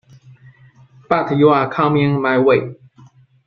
But you are coming my way.